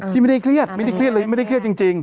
ไม่ได้เครียดไม่ได้เครียดเลยไม่ได้เครียดจริง